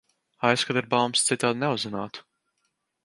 Aizkadra baumas citādi neuzzinātu.